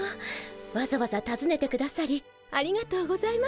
わざわざたずねてくださりありがとうございました。